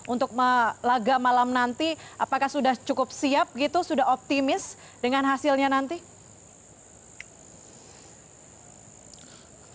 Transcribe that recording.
untuk laga malam nanti apakah sudah cukup siap gitu sudah optimis dengan hasilnya nanti